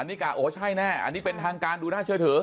นี่กะโอ้ใช่แน่อันนี้เป็นทางการดูน่าเชื่อถือ